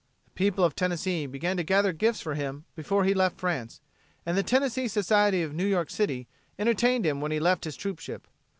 The people of Tennessee began to gather gifts for him before he left France, and the Tennessee Society of New York City entertained him when he left his troop ship.